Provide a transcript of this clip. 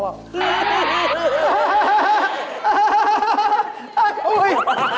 อะไร